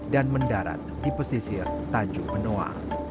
dan mendarat di pesisir tanjung benoa